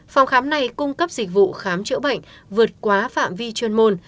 phòng khám này cung cấp dịch vụ khám chữa bệnh vượt quá phạm vi chuyên môn